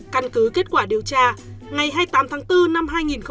căn cứ kết quả điều tra ngày hai mươi tám tháng bốn năm hai nghìn hai mươi